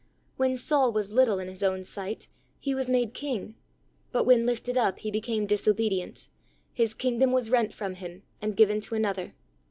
When Saul was little in his own sight, he was made king, but, when lifted up he became disobedient, his kingdom was rent from him and given to another.